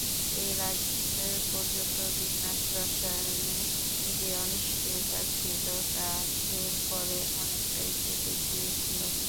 এর আগে পর্যন্ত বিন্যাস রসায়নে যে অনিশ্চয়তা ছিল তা এর পরে অনেকটাই কেটে গিয়েছিল।